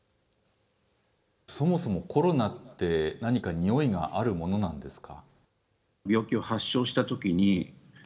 そもそもコロナって、何か匂いがあるものなんですか。